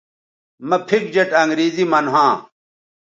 مہ پِھک جیٹ انگریزی من ھواں